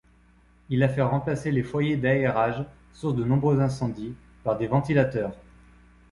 Il a fait remplacer les foyers d'aérage, source de nombreux incendies, par des ventilateurs.